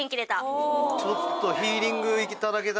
ちょっと。